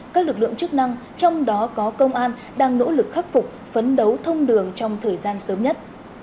các lực lượng chức năng trong đó có công an đang nỗ lực khắc phục phấn đấu thông đường trong thời gian sớm nhất